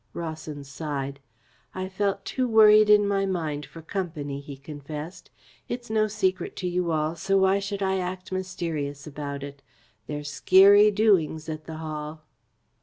Rawson sighed. "I felt too worried in my mind for company," he confessed. "It's no secret to you all, so why should I act mysterious about it. There's skeery doings at the Hall."